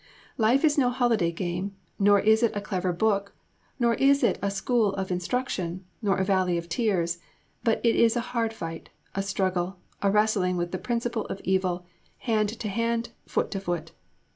Life is no holiday game, nor is it a clever book, nor is it a school of instruction, nor a valley of tears; but it is a hard fight, a struggle, a wrestling with the Principle of Evil, hand to hand, foot to foot.